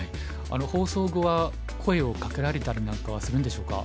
放送後は声をかけられたりなんかはするんでしょうか？